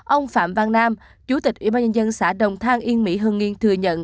ông phạm văn nam chủ tịch ủy ban nhân dân xã đồng thang yên mỹ hương nghiên thừa nhận